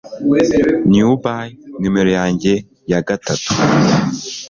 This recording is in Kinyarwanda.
newbie numero yanjye ya gatatu